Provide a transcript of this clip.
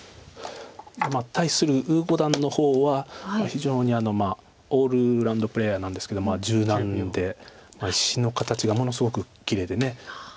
対する呉五段の方は非常にオールラウンドプレーヤーなんですけど柔軟で石の形がものすごくきれいで。